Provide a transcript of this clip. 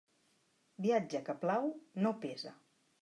Viatge que plau, no pesa.